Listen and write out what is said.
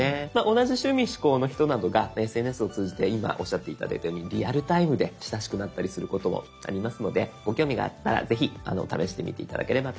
同じ趣味嗜好の人などがＳＮＳを通じて今おっしゃって頂いたようにリアルタイムで親しくなったりすることもありますのでご興味があったらぜひ試してみて頂ければと思います。